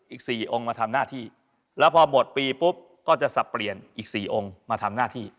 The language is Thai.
อีก๔องค์มาทำหน้าที่แล้วพอหมดปีปุ๊บก็จะสับเปลี่ยนอีก๔องค์มาทำหน้าที่